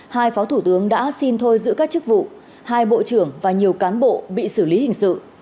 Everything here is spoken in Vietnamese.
hai phó thủ tướng đã xin thôi giữ các chức vụ hai bộ trưởng và nhiều cán bộ bị xử lý hình sự